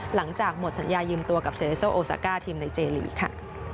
หลังจากหมดสัญญายืมตัวกับเซเลโซโอซาก้าทีมในเจลีค่ะ